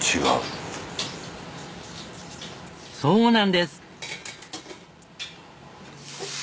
そうなんです！